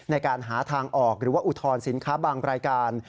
ในการหาทางออกหรือว่าอุทธรณ์สินค้าบางรายการ